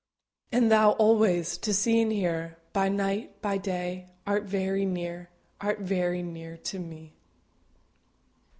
And Thou alway, To see and hear, By night, by day, Art very near Art very near to me.